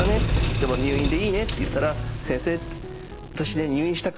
でも入院でいいね」って言ったら「先生私ね入院したくない！」って言って。